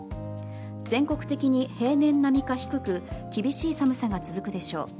全国的に平年並みか低く厳しい寒さが続くでしょう。